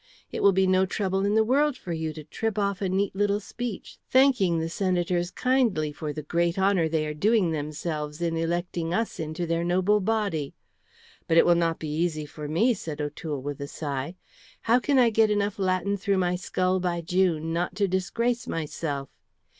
It will be no trouble in the world for you to trip off a neat little speech, thanking the Senators kindly for the great honour they are doing themselves in electing us into their noble body. But it will not be easy for me," said O'Toole, with a sigh. "How can I get enough Latin through my skull by June not to disgrace myself?"